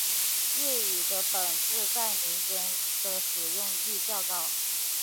粤语的本字在民间的使用率较高。